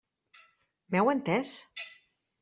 M'heu entès?